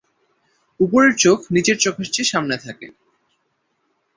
উপরের চোখ নিচের চোখের চেয়ে সামনে থাকে।